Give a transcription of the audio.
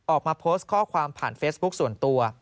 ออกมาโพสต์ข้อความผ่านเฟซบุ๊คส่วนตัว